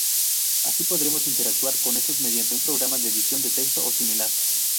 Así podremos interactuar con estos mediante un programa de edición de texto o similar.